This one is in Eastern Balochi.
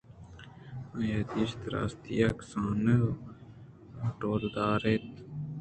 آئی ءِدست راستی ءَ کسان ءُڈولدار اِت اَنت